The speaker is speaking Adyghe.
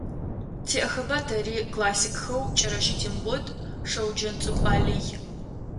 Тиӏэхэба тэри классикхэу Кӏэрэщэ Тембот, Шэуджэнцӏыкӏу Алый…